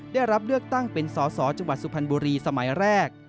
ได้รับเลือกตั้งเป็นสอสอจังหวัดสุพรรณบุรีสมัยแรก